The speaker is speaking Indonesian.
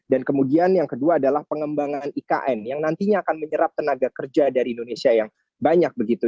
dan kemudian yang kedua adalah pengembangan ikn yang nantinya akan menyerap tenaga kerja dari indonesia yang banyak begitu